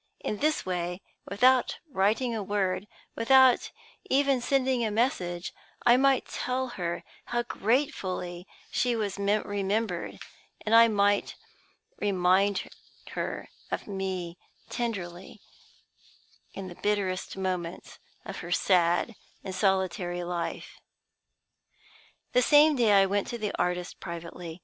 In this way, without writing a word, without even sending a message, I might tell her how gratefully she was remembered; I might remind her of me tenderly in the bitterest moments of her sad and solitary life. The same day I went to the artist privately.